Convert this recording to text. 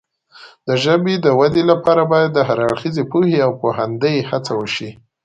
د ژبې د وده لپاره باید د هر اړخیزې پوهې او پوهاندۍ هڅه وشي.